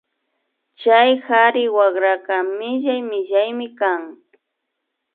Chay kari wakraka millay millaymi kan